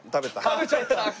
食べちゃった。